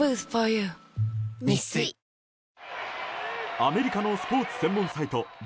アメリカのスポーツ専門サイトジ